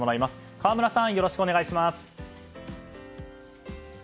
河村さん、よろしくお願いします。